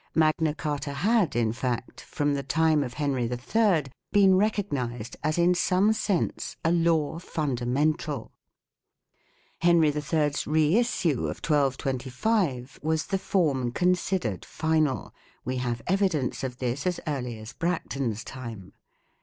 Magna Carta had, in fact, from the time of Henry III, been recognized as in some sense a law fundamental. Henry Ill's reissue of 1225 was the form considered final. We have evidence of this as early as Bracton's time.